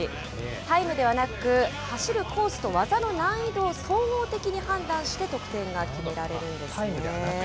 タイムではなく、走るコースと技の難易度を総合的に判断して得点タイムではなく？